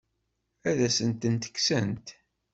Ad asen-tent-kksent?